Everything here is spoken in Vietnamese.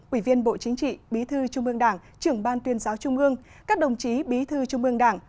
ủy viên bộ chính trị bí thư trung ương đảng trưởng ban tuyên giáo trung ương các đồng chí bí thư trung ương đảng